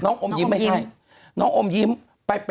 คุณหนุ่มกัญชัยได้เล่าใหญ่ใจความไปสักส่วนใหญ่แล้ว